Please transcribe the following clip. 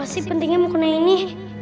apa sih pentingnya mukena ini